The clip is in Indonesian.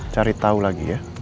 cari tahu lagi ya